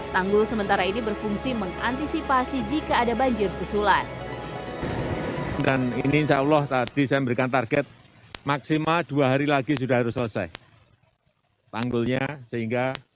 tanggul sementara ini berfungsi mengantisipasi jika ada banjir susulan